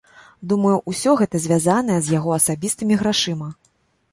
Думаю, усё гэта звязанае з яго асабістымі грашыма.